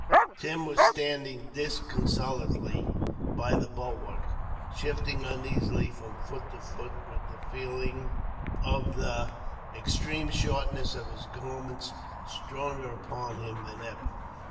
Tim was standing disconsolately by the bulwark, shifting uneasily from foot to foot, with the feeling of the extreme shortness of his garments stronger upon him than ever.